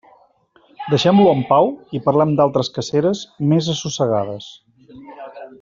Deixem-lo en pau i parlem d'altres caceres més assossegades.